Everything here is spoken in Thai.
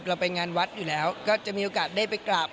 ไปงานวัดอยู่แล้วก็จะมีโอกาสได้ไปกราบ